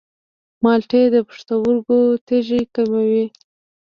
مالټې د پښتورګو تیږې کموي.